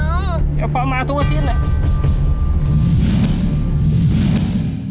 เดี๋ยวพ่อมาทั่วเทียนเลย